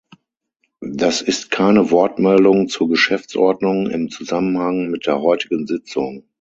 Das ist keine Wortmeldung zur Geschäftsordnung im Zusammenhang mit der heutigen Sitzung.